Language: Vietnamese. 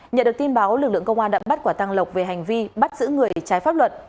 nhận được tin báo lực lượng công an đã bắt quả tăng lộc về hành vi bắt giữ người trái pháp luật